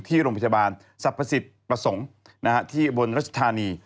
ที่โรงพยาบาลสรรพสิทธิ์ประสงค์ที่บนรัชธานี